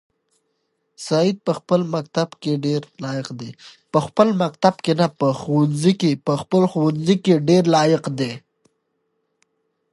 سعید په خپل مکتب کې ډېر لایق دی.